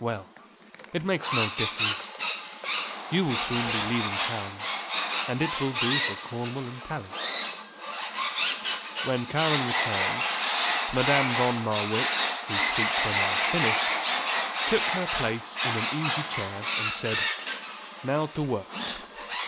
Well; it makes no difference; you will soon be leaving town and it will do for Cornwall and Tallie." When Karen returned, Madame von Marwitz, whose feet were now finished, took her place in an easy chair and said: "Now to work.